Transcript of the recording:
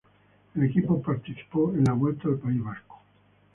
El equipo participó en la Vuelta al País Vasco.